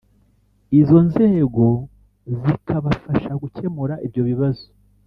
izo nzego zikabafasha gukemura ibyo bibazo”